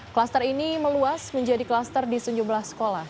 kluster ini meluas menjadi kluster di tujuh belas sekolah